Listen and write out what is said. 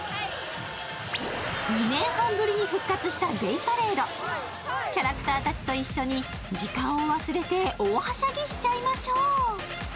２年半ぶりに復活したデーパレード、キャラクターたちと一緒に、時間を忘れて大はしゃぎしちゃいましょう。